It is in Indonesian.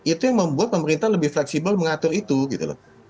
itu yang membuat pemerintah lebih fleksibel mengatur itu gitu loh